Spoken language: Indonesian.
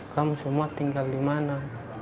kamu semua tinggal di mana